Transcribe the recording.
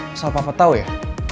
musuh apa apatau ya